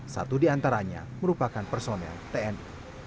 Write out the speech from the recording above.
satu di antaranya merupakan personel tni